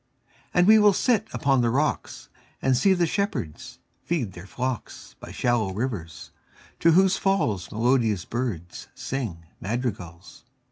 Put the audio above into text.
And we will sit upon the rocks, 5 And see the shepherds feed their flocks By shallow rivers, to whose falls Melodious birds sing madrigals.